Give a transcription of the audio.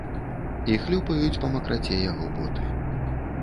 І хлюпаюць па макраце яго боты.